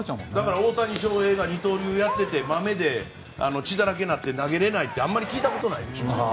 大谷翔平が二刀流やっててマメで血だらけになって投げれないってあまり聞いたことないでしょ。